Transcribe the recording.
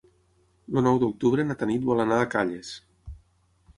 El nou d'octubre na Tanit vol anar a Calles.